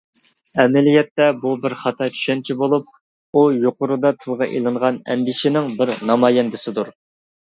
ئەمەلىيەتتە بۇ بىر خاتا چۈشەنچە بولۇپ، ئۇ يۇقىرىدا تىلغا ئېلىنغان ئەندىشىنىڭ بىر نامايەندىسىدۇر.